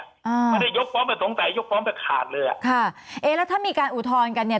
อ่าไม่ได้ยกฟ้องแต่สงสัยยกฟ้องแต่ขาดเลยอ่ะค่ะเอ๊ะแล้วถ้ามีการอุทธรณ์กันเนี้ย